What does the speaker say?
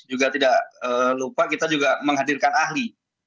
juga tidak lupa kita juga menghadirkan ahli